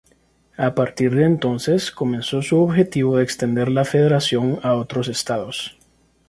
A partir de entonces, comenzó su objetivo de extender la Federación a otros estados.